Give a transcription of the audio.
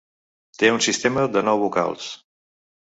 Té un sistema de nou vocals.